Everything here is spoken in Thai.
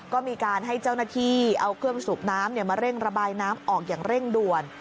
ก็มีการให้เจ้าหน้าที่เอาเครื่องสูบน้ำมาเร่งระบายน้ำออกอย่างเร่งด่วน